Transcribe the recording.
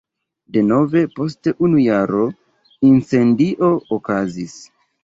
Denove post unu jaro incendio okazis.